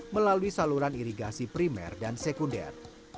melalui saluran irigasi primer dan sekunder